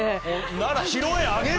なら。